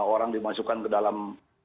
orang dimasukkan ke dalam